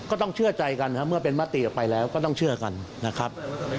ก็ต้องเชื่อใจกันนะครับเมื่อเป็นมติออกไปแล้วก็ต้องเชื่อกันนะครับ